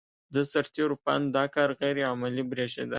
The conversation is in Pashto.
د سرتېرو په اند دا کار غیر عملي برېښېده.